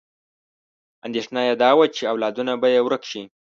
اندېښنه یې دا وه چې اولادونه به یې ورک شي.